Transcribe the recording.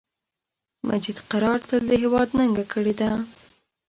مجید قرار تل د هیواد ننګه کړی ده